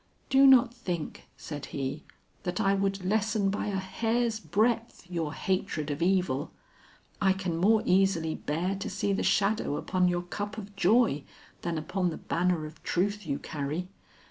"Do not think," said he, "that I would lessen by a hair's breadth your hatred of evil. I can more easily bear to see the shadow upon your cup of joy than upon the banner of truth you carry.